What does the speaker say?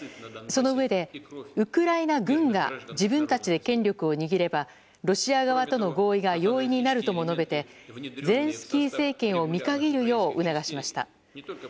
そのうえで、ウクライナ軍が自分たちで権力を握ればロシア側との合意が容易になるとも述べてゼレンスキー政権を見限るよう促しました。